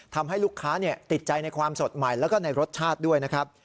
ทำให้ลูกค้าติดใจในความสดใหม่แล้วก็ในรสชาติด้วยนะครับ